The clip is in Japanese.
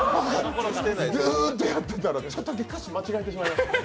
ずーっとやってたら、ちょっと歌詞間違えてしまいました。